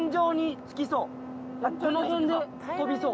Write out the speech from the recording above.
この辺で飛びそう。